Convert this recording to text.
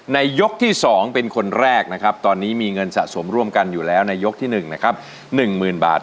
เงินทุนสะสมมูลค่าสองหมื่นบาท